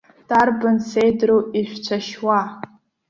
Дарбан сеидроу ишәцәашьуа.